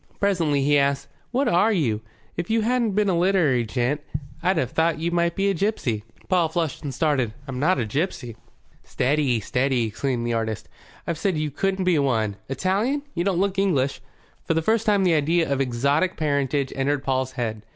Presently he asked, "What are you? If you hadn't been a literary gent I'd have thought you might be a gipsy." Paul flushed and started. "I'm not a gipsy." "Steady, steady," exclaimed the artist. "I've just said you couldn't be one. Italian? You don't look English." For the first time the idea of exotic parentage entered Paul's head.